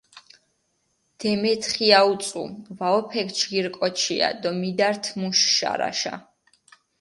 დემეთხია უწუ, ვაჸოფექ ჯგირი კოჩია დო მიდართჷ მუშ შარაშა.